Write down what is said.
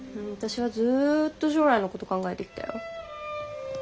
私はずっと将来のこと考えてきたよ。